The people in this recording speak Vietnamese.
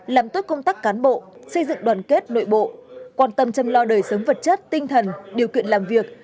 làm tốt công tác cán bộ xây dựng đoàn kết nội bộ quan tâm chăm lo đời sống vật chất tinh thần điều kiện làm việc